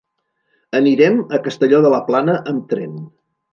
Anirem a Castelló de la Plana amb tren.